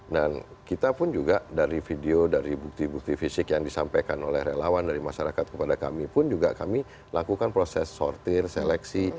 dan kita pun juga dari video dari bukti bukti fisik yang disampaikan oleh relawan dari masyarakat kepada kami pun juga kami lakukan proses sortir seleksi